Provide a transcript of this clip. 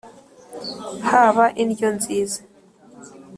haba indyo nziza!”